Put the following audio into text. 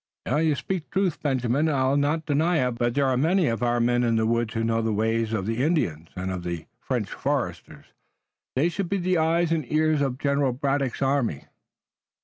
"You speak truth, Benjamin, and I'll not deny it, but there are many of our men in the woods who know the ways of the Indians and of the French foresters. They should be the eyes and ears of General Braddock's army."